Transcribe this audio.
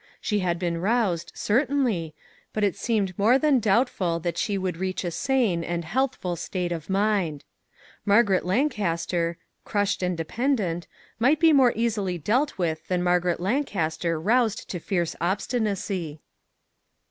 She had been roused, certainly, but it seemed more than doubtful that she would reach a sane and 403 MAG AND MARGARET healthful state of mind. Margaret Lancaster, crushed and dependent, might be more easily dealt with than Margaret Lancaster roused to fierce obstinacy.